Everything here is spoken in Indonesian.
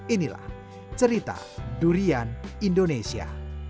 inilah cerita durian indonesia